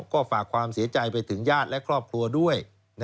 ก็ฝากความเสียใจไปถึงญาติและครอบครัวด้วย